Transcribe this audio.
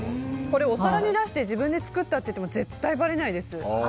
お皿に出して、自分で作ったって言っても、絶対ばれないです。